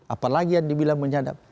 apalagi yang dibilang menyadap